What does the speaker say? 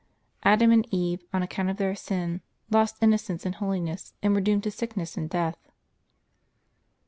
Adam and Eve, on account of their sin, lost innocence and holiness, and were doomed to sickness and death.